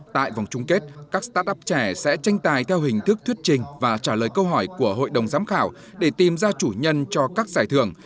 tại vòng chung kết các start up trẻ sẽ tranh tài theo hình thức thuyết trình và trả lời câu hỏi của hội đồng giám khảo để tìm ra chủ nhân cho các giải thưởng